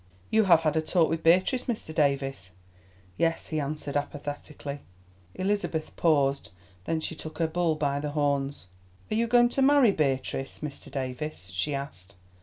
"You have had a talk with Beatrice, Mr. Davies?" "Yes," he answered apathetically. Elizabeth paused. Then she took her bull by the horns. "Are you going to marry Beatrice, Mr. Davies?" she asked.